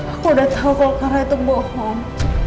aku udah tau kalau clara itu bohong